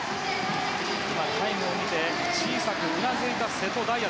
タイムを見て小さくうなずいた瀬戸大也。